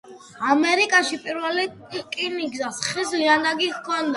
...ამერიკაში პირველ რკინიგზას ხის ლიანდაგი ჰქონდა...